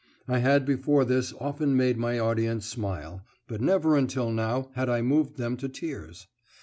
I had before this often made my audience smile, but never until now had I moved them to tears.